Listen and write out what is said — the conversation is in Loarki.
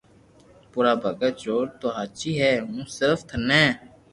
ڀورا ڀگت چور تو ھاچو ھي ھون صرف ٿني